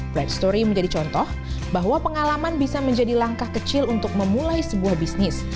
bright story menjadi contoh bahwa pengalaman bisa menjadi langkah kecil untuk memulai sebuah bisnis